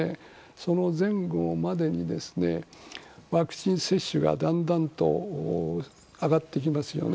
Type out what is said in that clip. その前後までにワクチン接種率がだんだんと上がってきますよね。